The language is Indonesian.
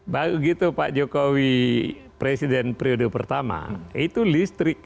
begitu pak jokowi presiden periode pertama itu listrik